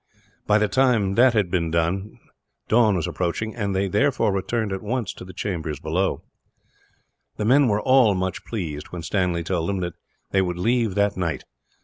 By the time that they had done this, dawn was approaching; and they therefore returned, at once, to the chambers below. The men were all much pleased, when Stanley told them that they would leave that night.